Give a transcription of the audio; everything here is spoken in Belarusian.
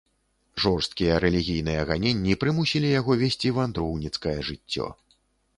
Жорсткія рэлігійныя ганенні прымусілі яго весці вандроўніцкае жыццё.